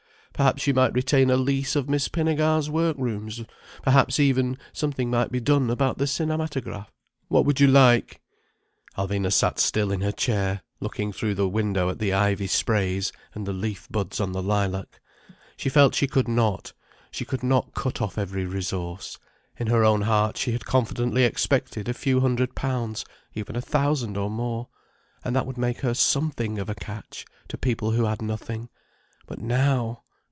Perhaps you might retain a lease of Miss Pinnegar's work rooms. Perhaps even something might be done about the cinematograph. What would you like—?" Alvina sat still in her chair, looking through the window at the ivy sprays, and the leaf buds on the lilac. She felt she could not, she could not cut off every resource. In her own heart she had confidently expected a few hundred pounds: even a thousand or more. And that would make her something of a catch, to people who had nothing. But now!